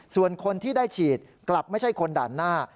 ส่วนคนที่ได้ฉีดกลับไม่ใช่คนด่านหน้า